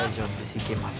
いけます。